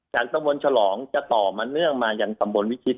ตำบลฉลองจะต่อมาเนื่องมายังตำบลวิชิต